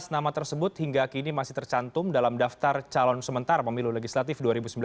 tujuh belas nama tersebut hingga kini masih tercantum dalam daftar calon sementara pemilu legislatif dua ribu sembilan belas